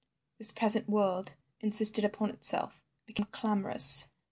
This present world insisted upon itself, became clamourous.